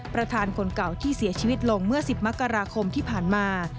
คนเก่าที่เสียชีวิตลงเมื่อ๑๐มกราคมที่ผ่านมา